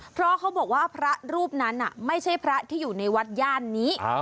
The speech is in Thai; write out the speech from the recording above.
เพราะเขาบอกว่าพระรูปนั้นไม่ใช่พระที่อยู่ในวัดย่านนี้